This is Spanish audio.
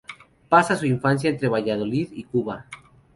Pasa su infancia entre Valladolid y Cuba.